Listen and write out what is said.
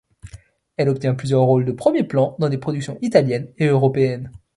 Elle obtient plusieurs rôles de premier plan dans des productions italiennes et européennes.